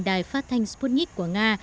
đài phát thanh sputnik của nga